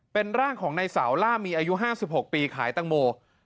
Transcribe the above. เป็นร่างของในเสาล่ามีอายุ๕๖ปีขายตังโม